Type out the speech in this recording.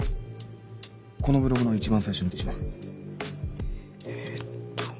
このブログの一番最初の記事は？えっと。